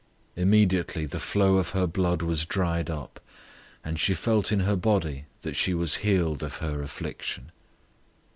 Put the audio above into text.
005:029 Immediately the flow of her blood was dried up, and she felt in her body that she was healed of her affliction.